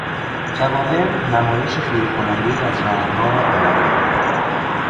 جواهر نمایش خیره کنندهای از رنگها را ارائه داد.